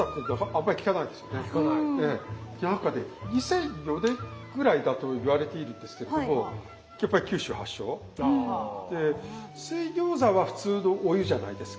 ２００４年ぐらいだと言われているんですけれどもやっぱり九州発祥。で水餃子は普通のお湯じゃないですか。